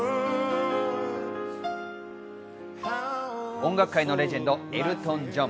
音楽界のレジェンド、エルトン・ジョン。